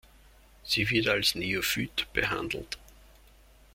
Sie wird als Neophyt behandelt.